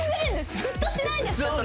嫉妬しないんですか？